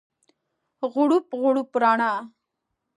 غوړپ، غوړپ رڼا